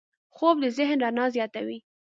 خوب د ذهن رڼا زیاتوي